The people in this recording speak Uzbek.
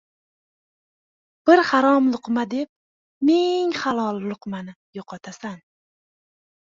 • Bir harom luqma deb, ming halol luqmani yo‘qotasan.